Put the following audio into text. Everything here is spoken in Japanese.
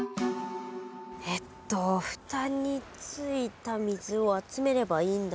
えっと蓋についた水を集めればいいんだから。